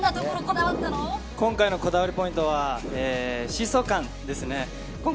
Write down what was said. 今回のこだわりポイントは疾走感ですね。